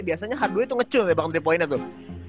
biasanya hardway tuh ngecun banget ngecun pointnya tuh